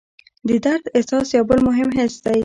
د درد احساس یو بل مهم حس دی.